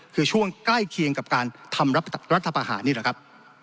คือช่วงใกล้เคียงกับการทำรัฐประหารนี่แหละครับ